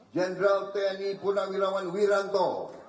jenderal tni puna wirawan wiranto